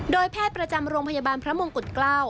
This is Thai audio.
โดยแพทย์ประจำโรงพยาบาลพระมงกุฎเกล้า